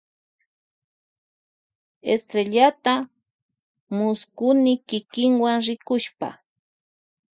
Rikushpa estrellata mullkuni kikiwa.